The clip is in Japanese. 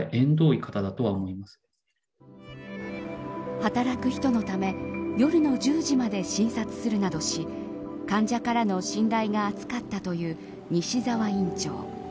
働く人のため夜の１０時まで診察するなどし患者からの信頼が厚かったという西澤院長。